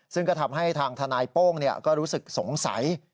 ซึ่งก็ทำให้ทางทนายโป้งก็รู้สึกสงสัย